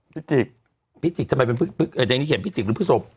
พฤกษิกส์ทำไมเป็นเจ้านี่เขียนพฤกษิกส์หรือพฤศพ